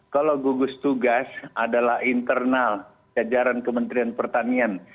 kalau gugus tugas adalah internal jajaran kementerian pertanian